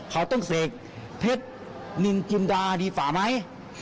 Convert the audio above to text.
เขาต้องเสกเผ็ดนินกิงดารีฝ่าไม้